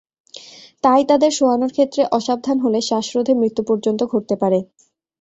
তাই তাদের শোয়ানোর ক্ষেত্রে অসাবধান হলে শ্বাসরোধে মৃত্যু পর্যন্ত ঘটতে পারে।